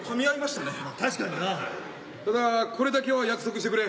ただこれだけは約束してくれ。